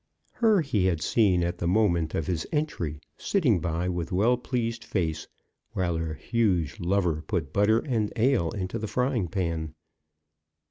Her he had seen at the moment of his entry, sitting by with well pleased face, while her huge lover put butter and ale into the frying pan.